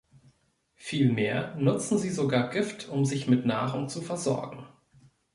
Vielmehr nutzen sie sogar Gift, um sich mit Nahrung zu versorgen.